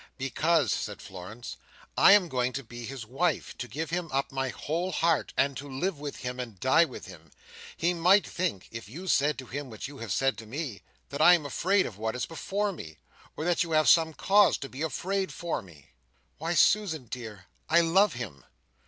"Because," said Florence, "I am going to be his wife, to give him up my whole heart, and to live with him and die with him. He might think, if you said to him what you have said to me, that I am afraid of what is before me, or that you have some cause to be afraid for me. Why, Susan, dear, I love him!"